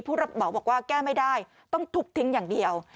ผู้ระเป๋าบอกว่าแก้ไม่ได้ต้องถูกทิ้งอย่างเดียว